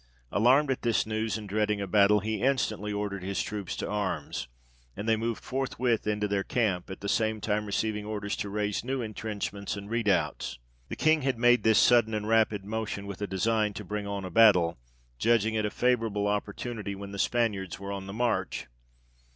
Alarmed at this news, and dreading a battle, he instantly ordered his troops to arms, and they moved forthwith into their camp, at the same time receiving orders to raise new entrenchments and redoubts. The King had made this sudden and rapid motion with design to bring on a battle, judging it a favourable opportunity when the MANCEUVRES OF GEORGE AND LERMA. 79 Spaniards were on the march.